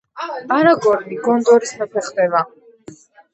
არაგორნი გონდორის მეფე ხდება.